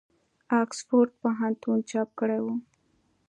آکسفورډ پوهنتون چاپ کړی وو.